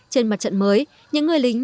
trên mặt trận mới